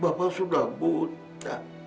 bapak sudah buta